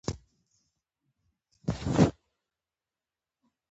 هم ایښي وه. لوى رب دې ارواح ښاده لري.